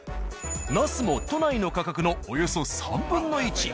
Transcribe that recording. ナスも都内の価格のおよそ３分の１。